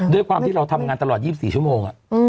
ด้วยความที่เราทำงานตลอด๒๔ชั่วโมง